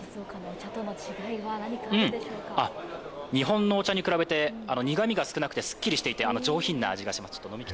うん、日本のお茶に比べて苦みがすくなくてすっきりしていて上品な味がします。